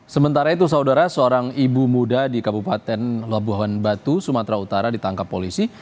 sementara itu saudara seorang ibu muda di kabupaten labuhan batu sumatera utara ditangkap polisi